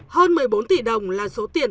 hơn một mươi bốn tỷ đồng là số tiền